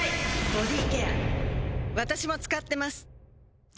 私も使ってます